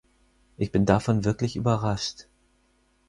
Ich bin davon wirklich überrascht.